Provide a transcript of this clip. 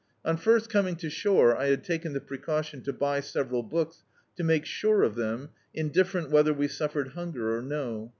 On first coming to shore I had taken the precaution to buy several books, to make sure of them, indifferent whether we suffered hunger or no.